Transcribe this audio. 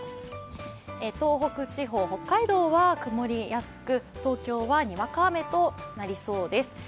東北地方、北海道は曇りやすく、東京はにわか雨となりそうです。